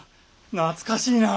懐かしいな！